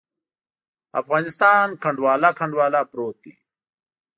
افغانستان کنډواله، کنډواله پروت دی.